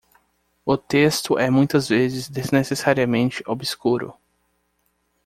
O texto é muitas vezes desnecessariamente obscuro.